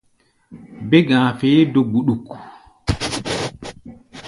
Bé-ga̧a̧ feé do gbuɗuk.